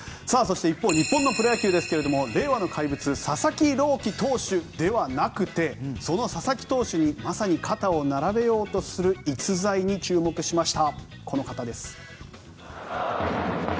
一方、日本のプロ野球令和の怪物佐々木朗希投手ではなくてその佐々木投手に、まさに肩を並べようとする逸材に注目しました。